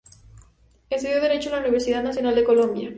Estudió derecho en la Universidad Nacional de Colombia.